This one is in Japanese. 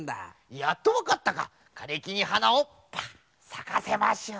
やっとわかったか。かれきにはなをパアーさかせましょう。